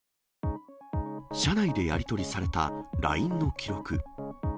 社内でやり取りされたＬＩＮＥの記録。